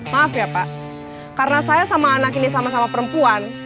maaf ya pak karena saya sama anak ini sama sama perempuan